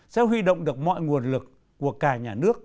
sẽ huy động được mọi nguồn lực của cả nhà nước